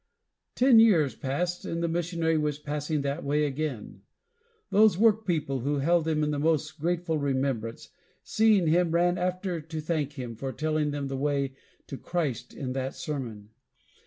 Ten years passed, and the missionary was passing that way again. Those work people, who held him in the most grateful remembrance, seeing him, ran after him to thank him for telling them the way to Christ in that sermon.